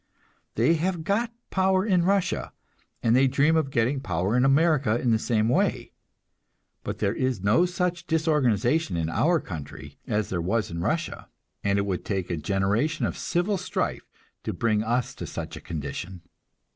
They have got power in Russia, and they dream of getting power in America in the same way. But there is no such disorganization in our country as there was in Russia, and it would take a generation of civil strife to bring us to such a condition.